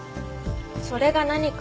それが何か？